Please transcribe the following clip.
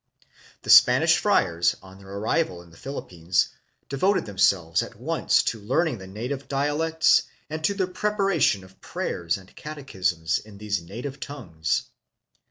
The Spanish friars, on their arrival in the Philippines, devoted themselves at once to learning the native dialects and to the preparation of prayers and catechisms in these native tongues.